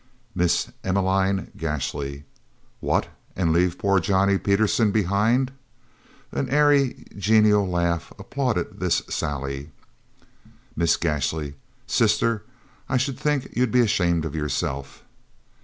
Miss Emmeline Gashly "What and leave poor Johnny Peterson behind?" [An airy genial laugh applauded this sally]. Miss Gashly "Sister, I should think you'd be ashamed of yourself!"